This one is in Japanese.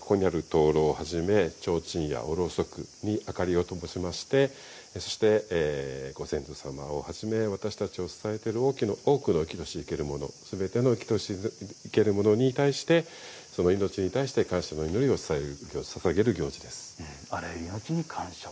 ここにある灯籠を初め提灯や、ろうそくに明かりをともしましてそして、ご先祖様をはじめ私たちを支えている多くの生きとして行けるものに対して命に対して感謝の祈りをささげる行事です。